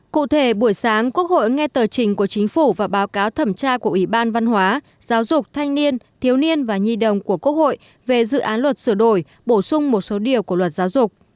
cụ thể buổi sáng quốc hội nghe tờ trình của chính phủ và báo cáo thẩm tra của ủy ban văn hóa giáo dục thanh niên thiếu niên và nhi đồng của quốc hội về dự án luật sửa đổi bổ sung một số điều của luật giáo dục